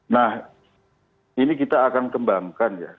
nah ini kita akan kembangkan ya